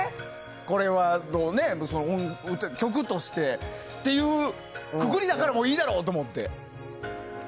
これは曲として、そういうくくりだからええだろうと思って。